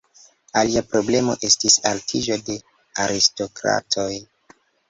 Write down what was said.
Alia problemo estis altiĝo de aristokratoj.